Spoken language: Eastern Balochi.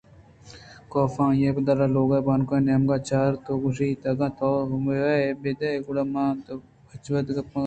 کاف ءَآئی ءِ بدل ءَلوگ بانک ءِ نیمگ ءَ چاراِت ءَ گوٛشت اگاں تو موہےبہ دئےگُڑا من ءُتو دگہ وہدے گپ کناں